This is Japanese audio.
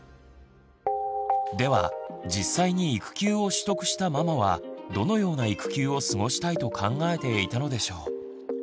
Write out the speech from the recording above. では実際に育休を取得したママはどのような育休を過ごしたいと考えていたのでしょう？